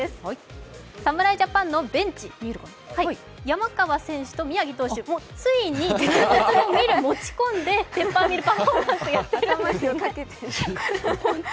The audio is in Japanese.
侍ジャパンのベンチ、山川選手と宮城投手、ついに実物のミルを持ち込んで、ペッパーミルパフォーマンスをやってるんですよね。